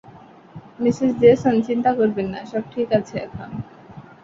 Mrs Jason, চিন্তা করবেন না, সব ঠিক আছে এখন।